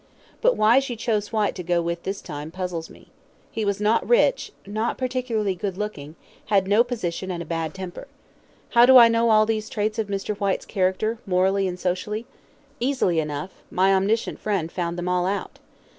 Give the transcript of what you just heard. But why she chose Whyte to go with this time puzzles me. He was not rich, not particularly good looking, had no position, and a bad temper. How do I know all these traits of Mr. Whyte's character, morally and socially? Easily enough; my omniscient friend found them all out.